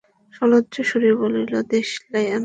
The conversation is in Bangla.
সলজ্জ সুরে বলিল, দেশলাই আনবো ঠাকুরপো?